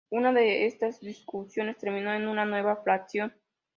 Una de esas discusiones terminó en una nueva fracción.